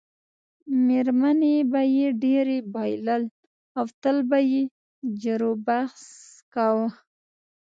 میرمنې به یې ډېری بایلل او تل به یې جروبحث کاوه.